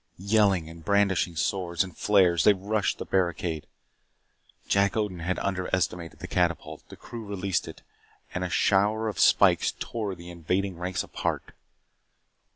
Yelling and brandishing swords and flares, they rushed the barricade. Jack Odin had underestimated the catapult. The crew released it. And a shower of spikes tore the invading ranks apart.